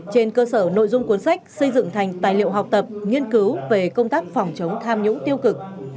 trên cơ sở nội dung cuốn sách xây dựng thành tài liệu học tập nghiên cứu về công tác phòng chống tham nhũng tiêu cực